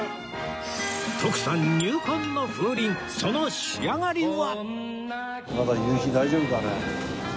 徳さん入魂の風鈴その仕上がりは？